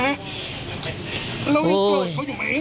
เราไม่เกิดเขาอยู่ไหม